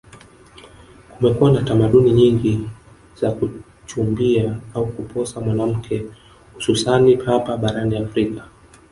kumekuwa na tamaduni nyingi za kuchumbia au kuposa mwanamke hususani hapa barani afrika